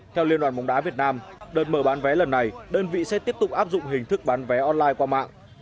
theo liên đoàn bóng đá việt nam đợt mở bán vé lần này đơn vị sẽ tiếp tục áp dụng hình thức bán vé online qua mạng